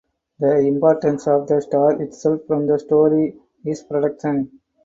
The importance of the star itself from the story is protection.